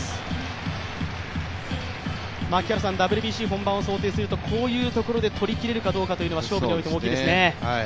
ＷＢＣ本番を想定するとこういうところで取りきれるかどうかというところが、勝負において大きいですよね。